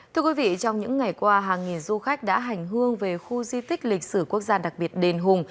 thưa quý vị trong những ngày qua hàng nghìn du khách đã hành hương về khu di tích lịch sử quốc gia đặc biệt đền hùng